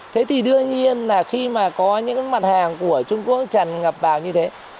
thế thì đương nhiên là khi mà có những mặt hàng của trung quốc tràn ngập vào như thế